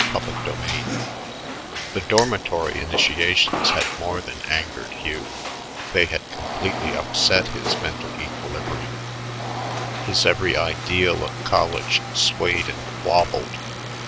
CHAPTER VIII The dormitory initiations had more than angered Hugh; they had completely upset his mental equilibrium: his every ideal of college swayed and wabbled.